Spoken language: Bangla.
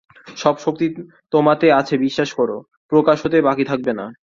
সব শক্তি তোমাতে আছে বিশ্বাস কর, প্রকাশ হতে বাকী থাকবে না।